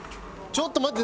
ちょっと待って。